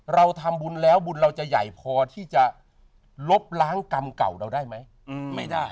เราทำบุญแล้วบุญเราจะใหญ่พอที่จะลบล้างกรรมเก่าเราได้ไหมไม่ได้